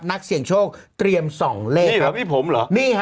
นักเสี่ยงโชคเตรียมส่องเลขนี่หรอมีผมหรอ